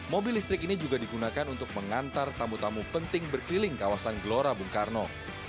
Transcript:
mobil listrik ini juga digunakan untuk mengantar tamu tamu penting berkeliling kawasan gelora bung karno